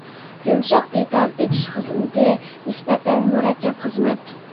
يۇمشاق دېتال، ئېچىش خىزمىتى نىسبەتەن مۇرەككەپ خىزمەت.